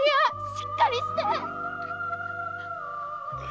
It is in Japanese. しっかりして！